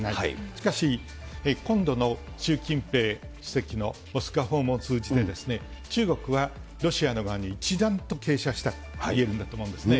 しかし、今度の習近平主席のモスクワ訪問を通じて、中国はロシアの側に一段と傾斜したと言えるんだと思うんですね。